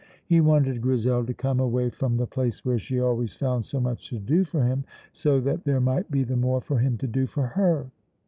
He wanted Grizel to come away from the place where she always found so much to do for him, so that there might be the more for him to do for her.